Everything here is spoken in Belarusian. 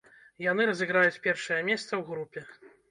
Яны разыграюць першае месца ў групе.